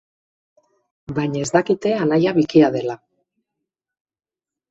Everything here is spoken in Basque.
Baina ez dakite anaia bikia dela.